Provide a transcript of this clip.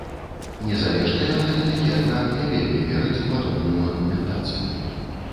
Незалежныя аналітыкі, аднак, не вельмі вераць у падобную аргументацыю.